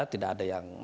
tidak ada yang